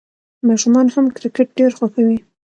ماشومان هم کرکټ ډېر خوښوي.